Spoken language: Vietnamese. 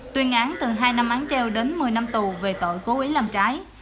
tuyên án từ hai năm án treo đến một mươi năm tù về tội cố ý làm trái